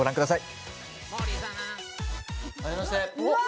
うわ！